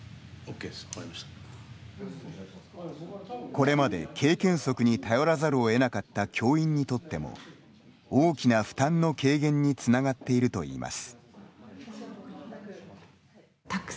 これまで経験則に頼らざるを得なかった教員にとっても大きな負担の軽減につながっているといいます。